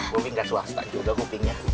gopi gak swasta juga kopinya